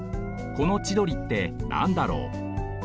この「千鳥」ってなんだろう？